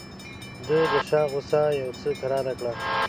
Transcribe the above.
ده د شاه غوسه یو څه کراره کړه.